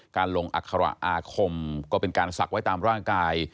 การลงอัคระอาคมก็เป็นการศักดิ์ไว้ตามร่างกาย